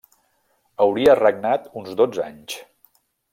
Hauria regnat uns dotze anys.